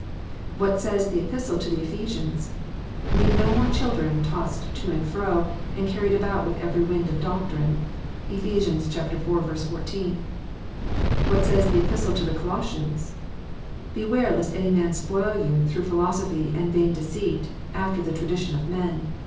What says the Epistle to the Ephesians? " Be no more children, tossed to and fro, and carried about with every wind of doctrine." (Eph. iv. 14.) What says the Epistle to the Colossians 1 " Beware lest any man spoil you through philo sophy and vain deceit, after the tradition of men."